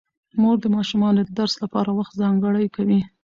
مور د ماشومانو د درس لپاره وخت ځانګړی کوي